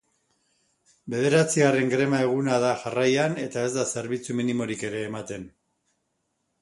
Bederatzigarren greba eguna da jarraian eta ez da zerbitzu minimorik ere ematen.